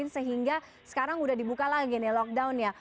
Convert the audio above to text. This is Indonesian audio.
sehingga sekarang sudah dibuka lagi nih lockdownnya